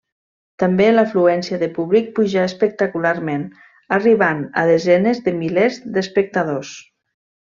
També l'afluència de públic pujà espectacularment, arribant a desenes de milers d'espectadors.